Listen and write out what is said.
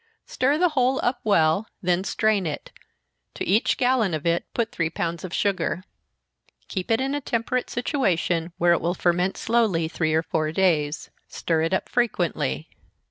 Stir the whole up well, then strain it to each gallon of it put three pounds of sugar. Keep it in a temperate situation, where it will ferment slowly, three or four days stir it up frequently.